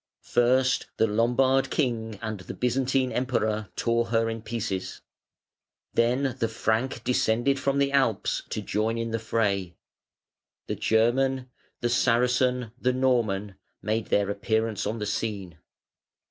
First the Lombard King and the Byzantine Emperor tore her in pieces. Then the Frank descended from the Alps to join in the fray. The German, the Saracen, the Norman made their appearance on the scene.